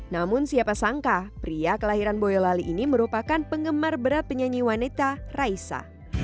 namun siapa sangka pria kelahiran boyolali ini merupakan penggemar berat penyanyi wanita raisa